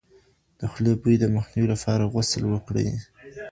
د خولې بوی د مخنیوي لپاره غسل وکړئ.